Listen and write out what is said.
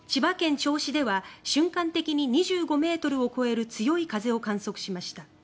銚子では瞬間的に２５ｍを超える強い風を観測しました。